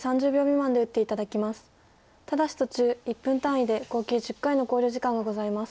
ただし途中１分単位で合計１０回の考慮時間がございます。